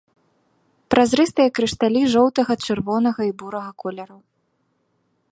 Празрыстыя крышталі жоўтага, чырвонага і бурага колераў.